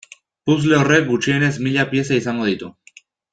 Puzzle horrek gutxienez mila pieza izango ditu.